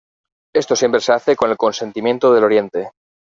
Esto siempre se hace con el consentimiento del Oriente.